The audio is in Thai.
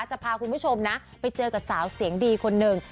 จะพาคุณผู้ชมนะไปเจอกับสาวเสียงดีคนหนึ่ง